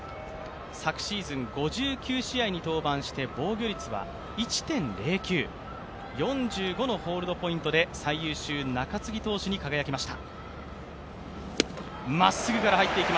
昨シーズン５９試合に登板して防御率は１．０９、４５のホールドポイントで最優秀中継ぎ投手に輝きました。